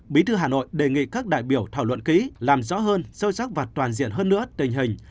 bí thư hà nội đề nghị các đại biểu thảo luận kỹ làm rõ hơn sâu sắc và toàn diện hơn nữa tình hình